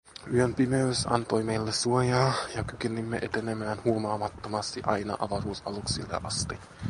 Yön pimeys antoi meille suojaa ja kykenimme etenemään huomaamattomasti aina avaruusaluksille asti.